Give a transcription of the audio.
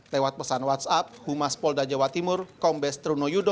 lewat pesan whatsapp humas polda jawa timur kombes trunoyudo